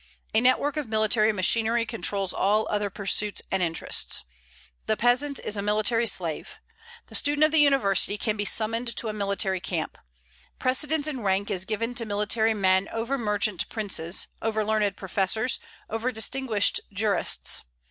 A network of military machinery controls all other pursuits and interests. The peasant is a military slave. The student of the university can be summoned to a military camp. Precedence in rank is given to military men over merchant princes, over learned professors, over distinguished jurists.